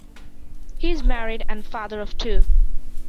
He is married and father of two.